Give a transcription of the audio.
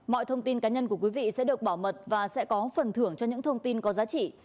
mọi thông tin cá nhân của quý vị sẽ được bảo mật và sẽ có phần thưởng cho những thông tin có giá trị